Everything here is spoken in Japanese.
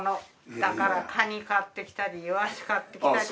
だからカニ買ってきたりイワシ買ってきたり。